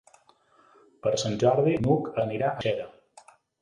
Per Sant Jordi n'Hug anirà a Xera.